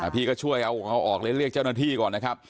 พี่ก็ช่วยเอาออกเลยเรียกเจ้าหน้าที่ก่อนนะครับ